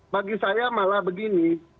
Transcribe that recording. bagi saya malah begini